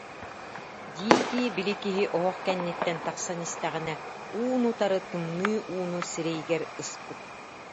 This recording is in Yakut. дии-дии, били киһи оһох кэнниттэн тахсан истэҕинэ, уун-утары тымныы ууну сирэйигэр ыспыт